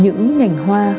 những ngành hoa